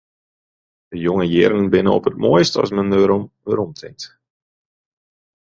De jonge jierren binne op it moaist as men deroan weromtinkt.